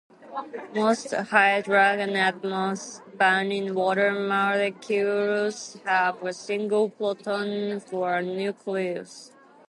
Most hydrogen atoms bound in water molecules have a single proton for a nucleus.